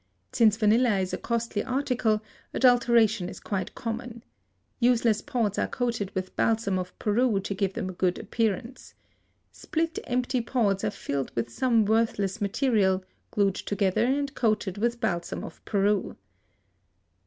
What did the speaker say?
Since vanilla is a costly article adulteration is quite common. Useless pods are coated with balsam of Peru to give them a good appearance. Split, empty pods are filled with some worthless material, glued together and coated with balsam of Peru.